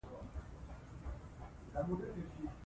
ازادي راډیو د سیاست په اړه د پرمختګ لپاره د ستراتیژۍ ارزونه کړې.